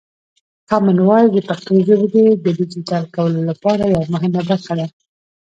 کامن وایس د پښتو ژبې د ډیجیټل کولو لپاره یوه مهمه برخه ده.